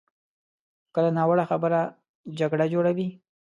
کله ناوړه خبره جګړه جوړوي.